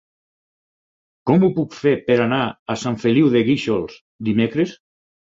Com ho puc fer per anar a Sant Feliu de Guíxols dimecres?